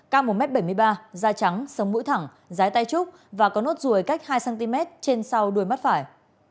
cam một m bảy mươi ba da trắng sông mũi thẳng dái tay trúc và có nốt ruồi cách hai cm trên sau đuôi mắt phải